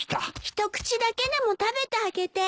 一口だけでも食べてあげて。